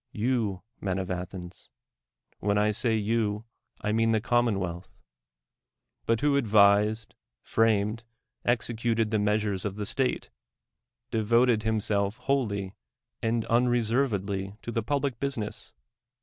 You, men of Athens. When I say you, I mean the commonwealth. But who ndvised, framed, executed the measures of state, devoted himself wholly and unreservedly to tho public business?